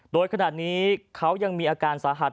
โดยขนาดนี้เขายังมีอาการสาหัส